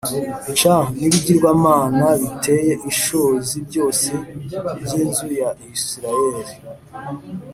C N Ibigirwamana Biteye Ishozi Byose By Inzu Ya Isirayeli